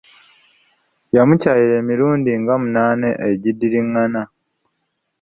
Yamukyalira emirundi nga munaana egidiringana.